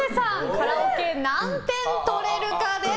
カラオケ何点取れるかです。